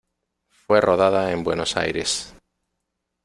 Fue rodada en Buenos Aires.